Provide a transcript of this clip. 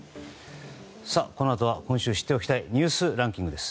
このあとは今週知っておきたいニュースランキングです。